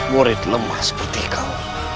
murid lemah seperti kau